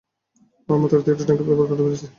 আমরা মাত্রাতিরিক্ত ট্যাঙ্কের ব্যবহার করে ফেলেছি।